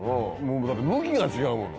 だって向きが違うもの。